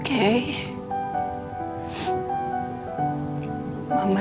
tujuan nya gak banyak